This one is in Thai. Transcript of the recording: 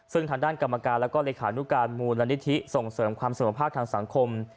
ซึ่งทางด้านกรรมการแล้วก็เลขานุการมูลนิธิส่งเสริมความเสมอภาคทางสังคม